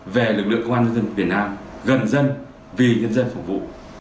về lực lượng quan dân việt nam gần dân vì nhân dân phục vụ